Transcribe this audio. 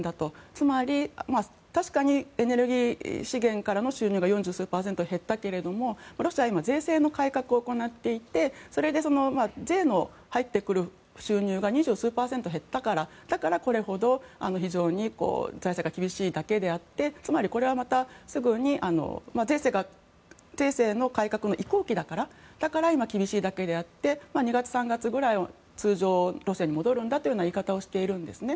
つまり、確かにエネルギー資源からの収入が４０数パーセント減ったけれども、ロシアは今税制の改革を行っていてそれで税の入ってくる収入が２０数パーセント減ったからだからこれほど非常に財政が厳しいだけであってつまりこれはまたすぐに税制の改革の移行期だからだから、今厳しいだけであって２月、３月ぐらいには通常路線に戻るんだという言い方をしているんですね。